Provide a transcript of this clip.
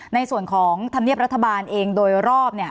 ในส่วนของธรรมเนียบรัฐบาลเองโดยรอบเนี่ย